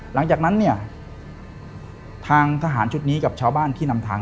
หลังจากนั้นเนี่ยทางทหารชุดนี้กับชาวบ้านที่นำทาง